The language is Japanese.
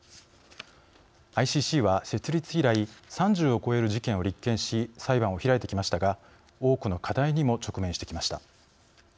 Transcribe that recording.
ＩＣＣは設立以来３０を超える事件を立件し裁判を開いてきましたが多くの課題にも直面してきました。